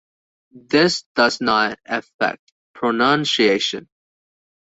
This does not affect pronunciation.